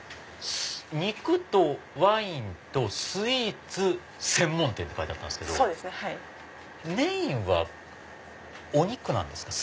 肉とワインとスイーツ専門店って書いてあったんですけどメインはお肉なんですか？